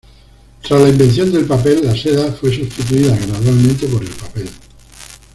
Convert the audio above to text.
Tras la invención del papel, la seda fue sustituida gradualmente por el papel.